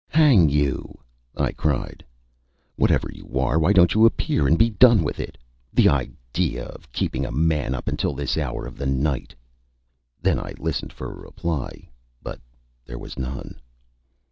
"Hang you!" I cried, "whatever you are, why don't you appear, and be done with it? The idea of keeping a man up until this hour of the night!" Then I listened for a reply; but there was none.